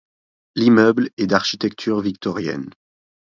L'immeuble est d'architecture victorienne.